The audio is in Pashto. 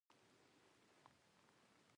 وزې وویل چې ما ته یوه سندره ووایه.